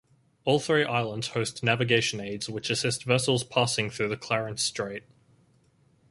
All three islands host navigation aids which assist vessels passing through the Clarence Strait.